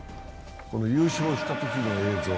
優勝したときの映像。